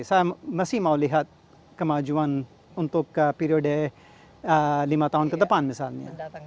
saya masih mau lihat kemajuan untuk periode lima tahun ke depan misalnya